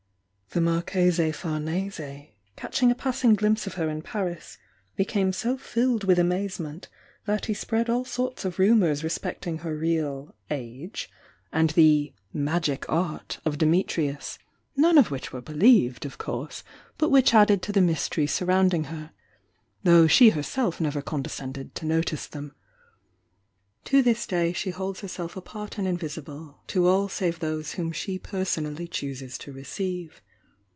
The Marchese Famese, catching a passing glimpse of her in Paris, became so filled with amazement that he spread aU sorts of rumours respecting her real "age" and the THE YOUNG DIANA 881 "ma^c art" of Dimitrius, none of which were bp. lieved, of course, but which added to Sie myste^ surrounding her though she herself nevS^ S hprc^r/''' *? °°5''i^ *^^™ To this day she hoUs herself apart and invisible to all save those whom she personally chooses to receive.